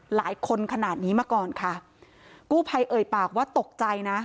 หลายคนขนาดนี้มาก่อนค่ะกู้ภัยเอ่ยปากว่าตกใจนะ